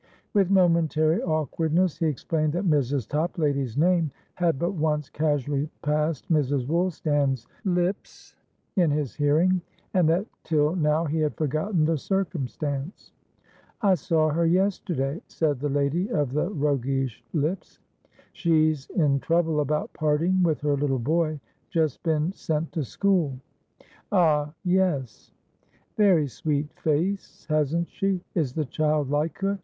With momentary awkwardness he explained that Mrs. Toplady's name had but once casually passed Mrs. Woolstan's Tips in his hearing, and that till now he had forgotten the circumstance. "I saw her yesterday," said the lady of the roguish lips. "She's in trouble about parting with her little boyjust been sent to school." "Ahyes." "Very sweet face, hasn't she? Is the child like her?